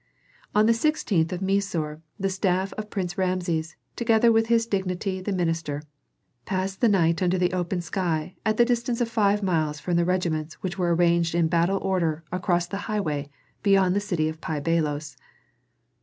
On the sixteenth of Mesore the staff of Prince Rameses, together with his dignity the minister, passed the night under the open sky at the distance of five miles from the regiments which were arranged in battle order across the highway beyond the city of Pi Bailos.